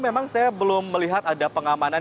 memang saya belum melihat ada pengamanan yang terjadi